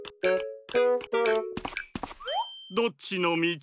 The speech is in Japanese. どっちのみち？